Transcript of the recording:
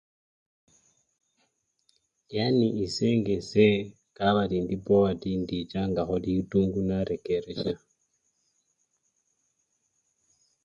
Yani ese nga ese kabari indi bowati endechangakho litungu narekeresya.